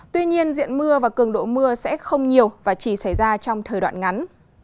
tuy nhiên diện mưa và cường độ mưa sẽ không nhiều và chỉ xảy ra trong thời đoạn ngắn